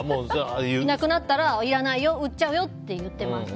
いなくなったら、いらないよ売っちゃうよって言ってます。